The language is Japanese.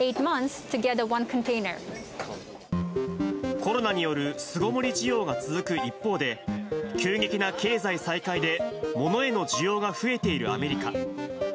コロナによる巣ごもり需要が続く一方で、急激な経済再開で物への需要が増えているアメリカ。